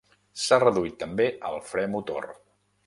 S'ha reduït també el fre motor.